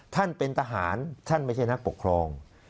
ท่านเป็นทหารท่านไม่ใช่นักปกครอง